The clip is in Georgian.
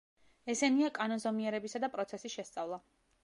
ესენია: კანონზომიერებისა და პროცესის შესწავლა.